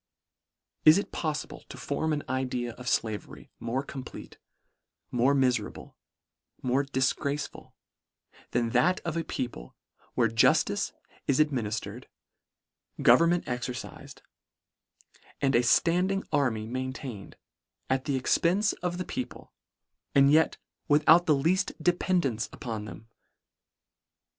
Is it poffible to form an idea of flavery more complete, more miferable, more dil graceful, than that of a people, where jus tice is administered, government exercifed, and a Standing army maintained, at the ex pence of the people, and yet without the leaft dependance upon them